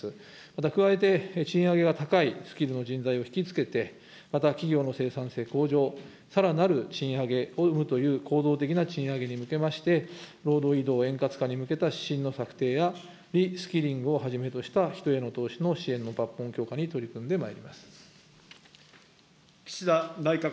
また加えて、賃上げが高いスキルの人材を引き付けて、また企業の生産性向上、さらなる賃上げを生むという構造的な賃上げに向けまして、労働移動円滑化に向けた指針の策定やリスキリングをはじめとした人への投資の支援の抜本強化に取り組んでまいります。